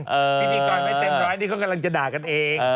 พิธีกรไม่เต็มร้อยนี่เขากำลังจะด่ากันเอง